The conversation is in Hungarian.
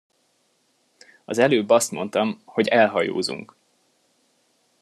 Az előbb azt mondtam, hogy elhajózunk!